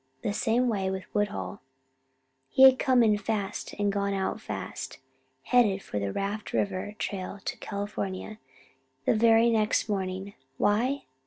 The same way with Woodhull. He had come in fast and gone out fast, headed for the Raft River trail to California, the very next morning. Why?